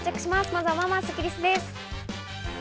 まずは、まあまあスッキりすです。